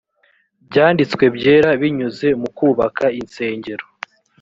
byanditswe byera binyuze mu kubaka insengero